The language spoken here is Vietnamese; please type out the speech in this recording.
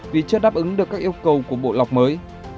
vì chưa đáp ứng được các yêu cầu của bộ lọc mới